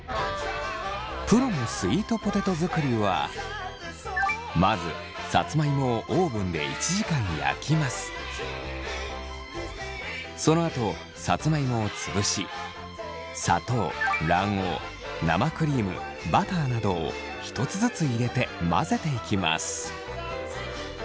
プロのスイートポテト作りはそのあとさつまいもを潰し砂糖卵黄生クリームバターなどを１つずつ入れて混ぜていきます。